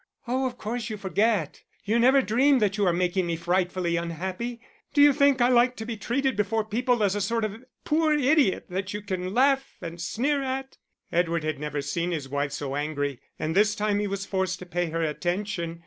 "Oh, of course, you forget. You never dream that you are making me frightfully unhappy. Do you think I like to be treated before people as a sort of poor idiot that you can laugh and sneer at?" Edward had never seen his wife so angry, and this time he was forced to pay her attention.